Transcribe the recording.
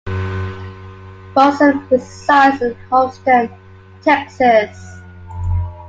Fossum resides in Houston, Texas.